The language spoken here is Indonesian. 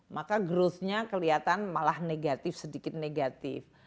maka growth nya kelihatan malah negatif sedikit negatif